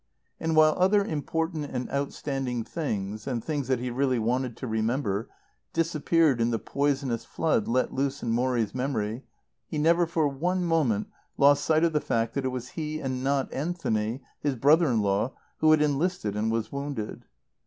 And while other important and outstanding things, and things that he really wanted to remember, disappeared in the poisonous flood let loose in Morrie's memory, he never for one moment lost sight of the fact that it was he and not Anthony, his brother in law, who had enlisted and was wounded.